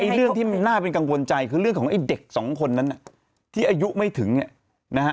เรื่องที่มันน่าเป็นกังวลใจคือเรื่องของไอ้เด็กสองคนนั้นน่ะที่อายุไม่ถึงเนี่ยนะฮะ